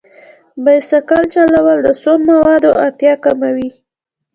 بایسکل چلول د سون موادو اړتیا کموي.